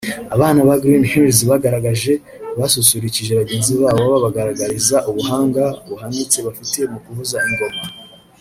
Abana biga Green hills bagaragaje basusurukije bagenzi babo babagaragariza ubuhanga buhanitse bafite mu kuvuza ingoma